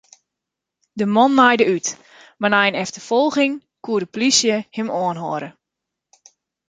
De man naaide út, mar nei in efterfolging koe de polysje him oanhâlde.